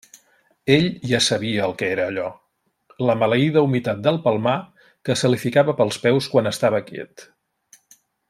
Ell ja sabia el que era allò: la maleïda humitat del Palmar que se li ficava pels peus quan estava quiet.